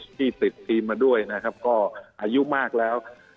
คุมัสโลซิชที่ติดทีมมาด้วยนะครับก็อายุมากแล้ว